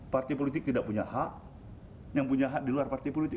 partai politik tidak punya hak yang punya hak di luar partai politik